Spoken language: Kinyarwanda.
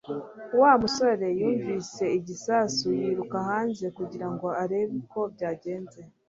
Wa musore yumvise igisasu yiruka hanze kugira ngo arebe uko byagenze